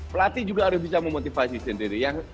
pelatih juga harus bisa memotivasi sendiri